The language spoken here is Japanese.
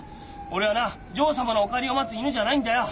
俺はな女王様のお帰りを待つ犬じゃないんだよ。